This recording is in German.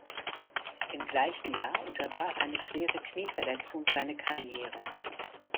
Im gleichen Jahr unterbrach eine schwere Knieverletzung seine Karriere.